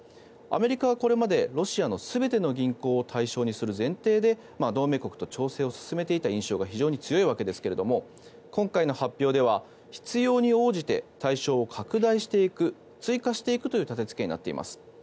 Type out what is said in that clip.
アメリカはこれまでロシアの全ての銀行を対象にする前提で同盟国と調整を進めていた印象が非常に強いわけですが今回の発表では必要に応じて対象を拡大していく追加していくという建付けになっています。